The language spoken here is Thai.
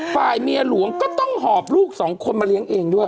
ฝ่ายเมียหลวงก็ต้องหอบลูกสองคนมาเลี้ยงเองด้วย